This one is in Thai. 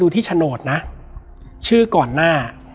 แล้วสักครั้งหนึ่งเขารู้สึกอึดอัดที่หน้าอก